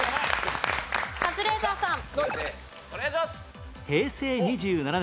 カズレーザーさん。